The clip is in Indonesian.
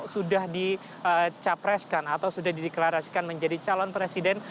sudah dicapreskan atau sudah dideklarasikan menjadi calon presiden